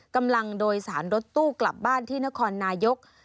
กำลังโดยสารรถตู้กลับบ้านที่นครนายก